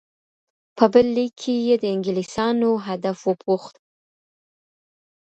په بل لیک کې یې د انګلیسانو هدف وپوښت.